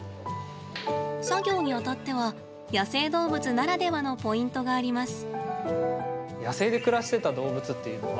作業にあたっては、野生動物ならではのポイントがあります。